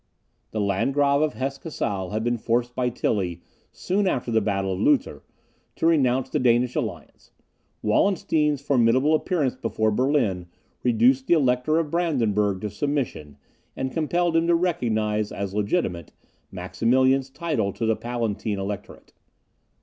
The Landgrave of Hesse Cassel had been forced by Tilly, soon after the battle of Lutter, to renounce the Danish alliance. Wallenstein's formidable appearance before Berlin reduced the Elector of Brandenburgh to submission, and compelled him to recognise, as legitimate, Maximilian's title to the Palatine Electorate.